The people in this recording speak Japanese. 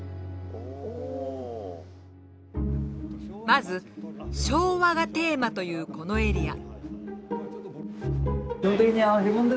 まず昭和がテーマというこのエリア。